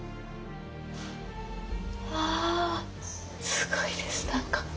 すごいですなんか。